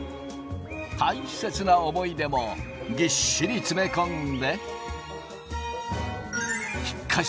大切な思い出もぎっしり詰め込んで。